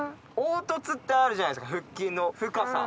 凹凸ってあるじゃないですか腹筋の深さ。